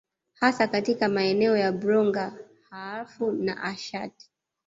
Hasa katika maeneo ya Bronga Ahafo na Ashant